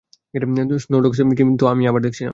Snow dogs কিন্তু আবার আমি দেখছি না।